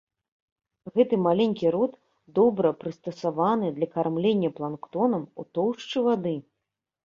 Гэты маленькі рот добра прыстасаваны для кармлення планктонам ў тоўшчы вады.